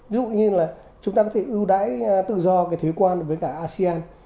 ví dụ như là chúng ta có thể ưu đãi tự do cái thuế quan với cả asean